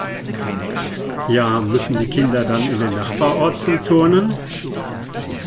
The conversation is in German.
Ja, müssen die Kinder dann in den Nachbarort zum Turnen?